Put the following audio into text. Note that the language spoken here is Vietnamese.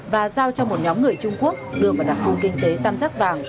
và giao cho một nhóm người trung quốc đưa vào đặc khu kinh tế tam giác vàng